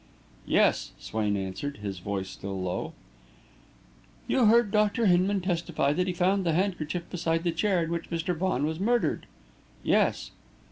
"Yes," Swain answered, his voice still low. "You heard Dr. Hinman testify that he found the handkerchief beside the chair in which Mr. Vaughan was murdered?" "Yes."